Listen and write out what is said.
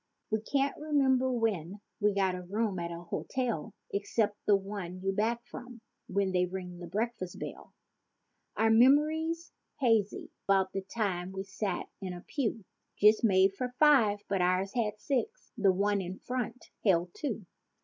We can't remember when we got a room at a hotel Except the one you back from when they ring the breakfast bell. Our memory's hazy 'bout the time we e'er sat in a pew Just made for five—but ours had six—the one in front held two.